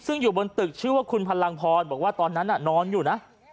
ซึ่งอยู่บนตึกชื่อว่าคุณพลังพรบอกว่าตอนนั้นนอนอยู่นะ